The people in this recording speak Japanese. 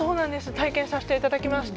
体験させていただきまして。